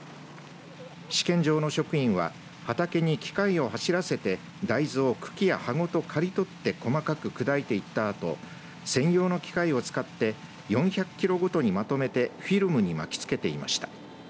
試験場の職員は畑に機会を走らせて大豆を茎や葉ごと刈り取って細かく砕いていったあと専用の機械を使って４００キロごとにまとめてフィルムに巻きつけていました。